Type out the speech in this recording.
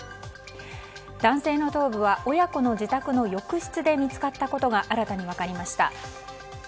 男性の頭部は親子の自宅の浴室で見つかったことが新たに分かりました。